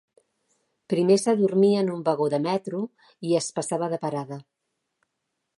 Primer s'adormia en un vagó de metro i es passava de parada.